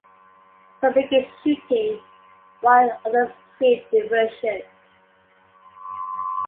Some begin shooting while others create a diversion.